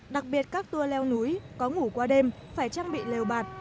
đặc biệt các tour leo núi có ngủ qua đêm phải trang bị lều bạt